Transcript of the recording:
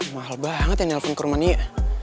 mahal banget yang nelfon ke rumah nia